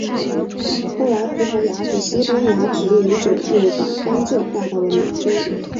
后来葡萄牙和西班牙殖民者又把甘蔗带到了美洲。